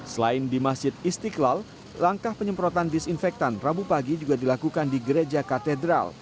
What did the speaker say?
selain di masjid istiqlal langkah penyemprotan disinfektan rabu pagi juga dilakukan di gereja katedral